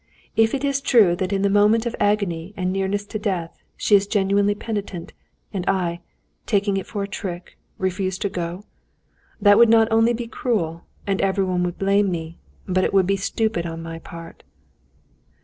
"If it is true that in the moment of agony and nearness to death she is genuinely penitent, and I, taking it for a trick, refuse to go? That would not only be cruel, and everyone would blame me, but it would be stupid on my part."